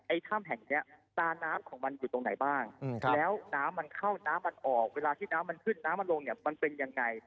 ถ้ำแห่งเนี้ยตาน้ำของมันอยู่ตรงไหนบ้างแล้วน้ำมันเข้าน้ำมันออกเวลาที่น้ำมันขึ้นน้ำมันลงเนี่ยมันเป็นยังไง